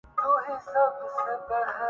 نہ تھا کچھ تو خدا تھا، کچھ نہ ہوتا تو خدا ہوتا